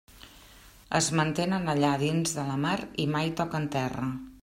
Es mantenen allà dins de la mar i mai toquen terra.